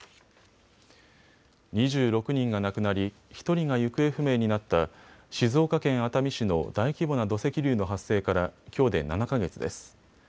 ２６人が亡くなり、１人が行方不明になった静岡県熱海市の大規模な土石流の発生からきょうで７か月です。